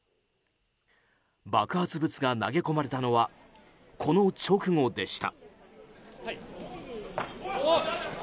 爆発物が投げ込まれたのはこの直後でした。